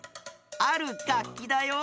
あるがっきだよ。